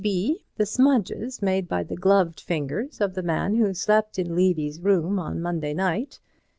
"B. The smudges made by the gloved fingers of the man who slept in Levy's room on Monday night.